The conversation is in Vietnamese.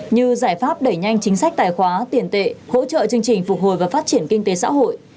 như giải pháp đẩy nhanh chính sách tài khoá tiền tệ hỗ trợ chương trình phục hồi và phát triển kinh tế xã hội